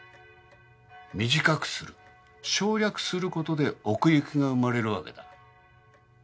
短くする省略することで奥行きが生まれるわけだ。